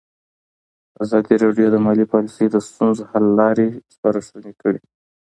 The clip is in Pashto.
ازادي راډیو د مالي پالیسي د ستونزو حل لارې سپارښتنې کړي.